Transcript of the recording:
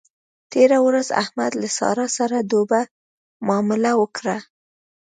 تېره ورځ احمد له له سارا سره ډوبه مامله وکړه.